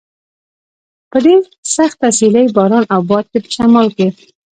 په دې سخته سیلۍ، باران او باد کې په شمال کې.